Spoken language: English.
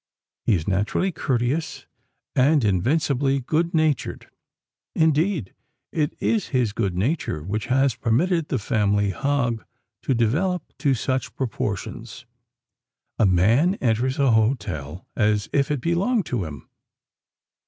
He is naturally courteous and invincibly good natured. Indeed, it is his good nature which has permitted the family Hog to develop to such proportions. A man enters a hotel "as if it belonged to him."